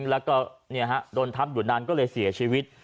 แล้วก็โดนทับอยู่นานก็เลยเสียชีวิต